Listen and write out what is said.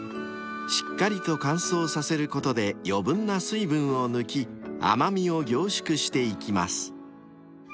［しっかりと乾燥させることで余分な水分を抜き甘味を凝縮していきます］